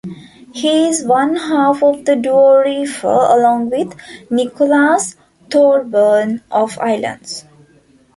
He is one half of the duo Reefer along with Nicholas Thorburn of Islands.